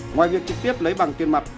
ngoài việc trực tiếp lấy bằng tiền mặt